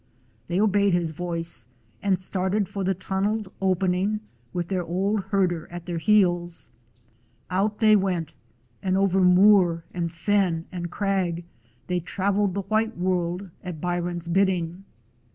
They obeyed his voice and started for the tunneled opening, with their old herder at their heels. Out they went, and over moor and fen and crag they traveled the white world at Byron's bidding.